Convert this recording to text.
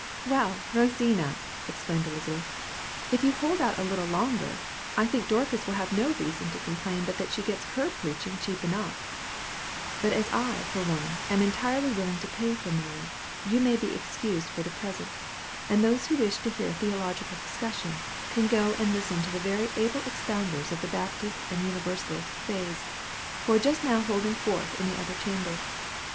"Well, Rosina," exclaimed Elizabeth, "if you hold out a little longer, I think Dorcas will have no reason to complain but that she gets her preaching cheap enough; but as I, for one, am entirely willing to pay for mine, you may be excused for the present; and those who wish to hear a theological discussion, can go and listen to the very able expounders of the Baptist and Universalist faiths, who are just now holding forth in the other chamber.